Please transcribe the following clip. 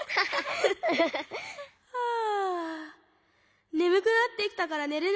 はあねむくなってきたからねるね。